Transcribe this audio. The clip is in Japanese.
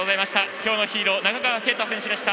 今日のヒーロー中川圭太選手でした。